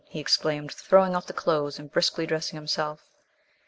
he exclaimed, throwing off the clothes and briskly dressing himself.